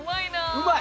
うまい！